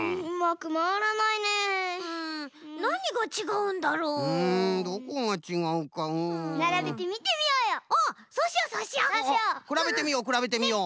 くらべてみようくらべてみよう！